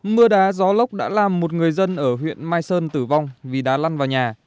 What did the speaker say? mưa đá gió lốc đã làm một người dân ở huyện mai sơn tử vong vì đá lăn vào nhà